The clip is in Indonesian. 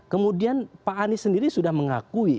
kemudian pak anies sendiri sudah mengakui